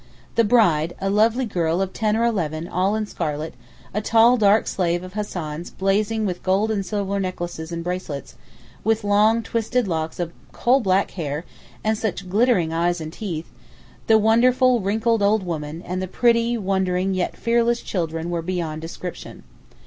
The bride—a lovely girl of ten or eleven all in scarlet, a tall dark slave of Hassan's blazing with gold and silver necklaces and bracelets, with long twisted locks of coal black hair and such glittering eyes and teeth, the wonderful wrinkled old women, and the pretty, wondering, yet fearless children were beyond description.